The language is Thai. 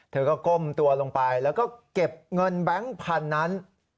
เธอก็ก้มตัวลงไปแล้วก็เก็บเงินแบงค์พันธุ์นั้น